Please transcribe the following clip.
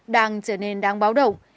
đang trở nên đáng báo động